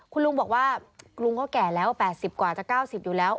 คุณลุงบอกว่าลุงก็แก่แล้ว๘๐กว่าจะ๙๐อยู่แล้ว